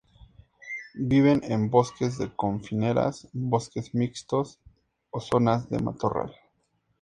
Viven en bosques de coníferas, bosques mixtos o zonas de matorral.